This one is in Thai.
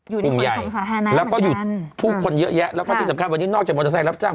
อยู่ในส่งสาธารณะเหมือนกันแล้วก็อยู่พวกคนเยอะแยะแล้วก็ที่สำคัญวันนี้นอกจากมอเตอร์ไซต์รับจ้าง